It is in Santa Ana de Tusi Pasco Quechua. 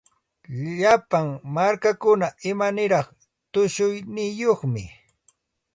Llapa markakuna imaniraq tushuyniyuqmi.